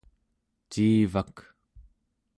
ciivak